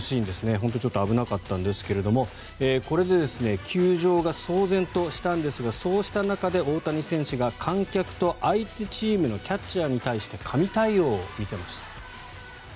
本当に危なかったんですがこれで球場が騒然としたんですがそうした中で、大谷選手が観客と相手チームのキャッチャーに対して神対応を見せました。